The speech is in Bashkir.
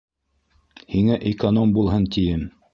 - Һиңә эконом булһын тием...